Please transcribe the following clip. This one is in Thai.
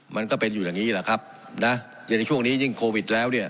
มันก็เป็นอยู่อย่างนี้แหละครับนะอย่างในช่วงนี้ยิ่งโควิดแล้วเนี่ย